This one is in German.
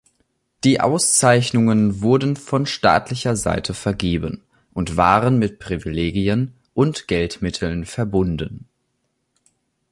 Die Auszeichnungen wurden von staatlicher Seite vergeben und waren mit Privilegien und Geldmitteln verbunden.